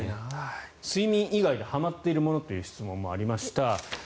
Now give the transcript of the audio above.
睡眠以外ではまっているものという質問もありました。